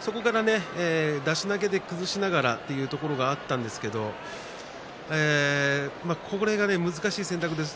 そこから出し投げで崩しながらというところがあったんですけどこれが難しい選択です。